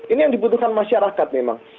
ini yang dibutuhkan masyarakat memang